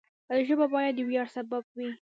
ژبه باید د ویاړ سبب وي.